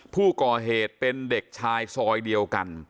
ผู้ก่อเหตุเป็นเด็กชายซอยเดียวกัน